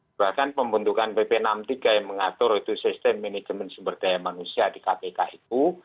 bahkan pembentukan pp enam puluh tiga yang mengatur itu sistem manajemen sumber daya manusia di kpk itu